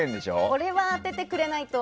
これは当ててくれないと。